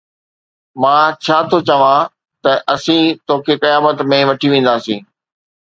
مان ڇا ٿو چوان ته ”اسين توکي قيامت ۾ وٺي وينداسين“.